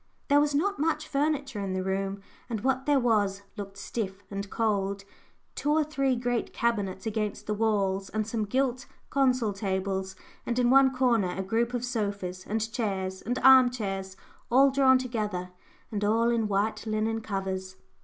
There was not much furniture in the room, and what there was looked stiff and cold: two or three great cabinets against the walls, and some gilt consol tables, and in one corner a group of sofas, and chairs, and arm chairs all drawn together, and all in white linen covers.